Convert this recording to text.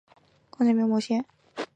此条路线没有摸彩